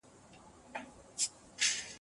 ګډونوالو د لېزر ځلاګانو په مرسته رنګ ولید.